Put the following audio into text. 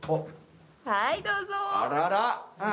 はい、どうぞ。